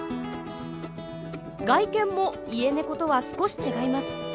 外見もイエネコとは少し違います。